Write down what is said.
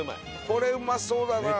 これうまそうだな。